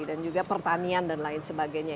dan juga pertanian dan lain sebagainya